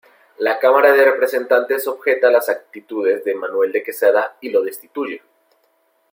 La Cámara de Representantes objeta las actitudes de Manuel de Quesada y lo destituye.